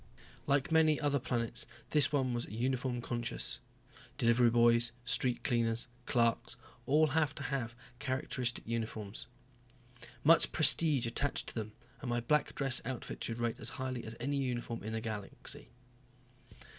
Like many other planets, this one was uniform conscious. Delivery boys, street cleaners, clerks all had to have characteristic uniforms. Much prestige attached to them, and my black dress outfit should rate as high as any uniform in the galaxy.